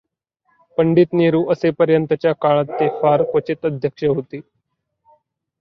पंडित नेहरू असेपर्यंतच्या काळात ते फार क्वचित अध्यक्ष होते